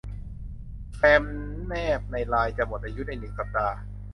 แฟ้มแนบในไลน์จะหมดอายุในหนึ่งสัปดาห์